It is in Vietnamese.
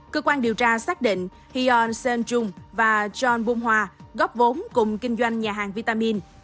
cơ quan điều tra xác định hion sen chung và john bung hoa góp vốn cùng kinh doanh nhà hàng vitamin